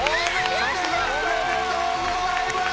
おめでとうございます！